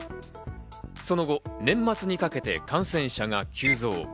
その後、年末にかけて感染者が急増。